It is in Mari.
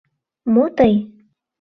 — Мо тый?